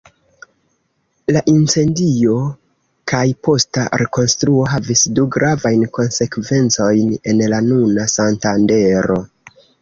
La incendio kaj posta rekonstruo havis du gravajn konsekvencojn en la nuna Santandero.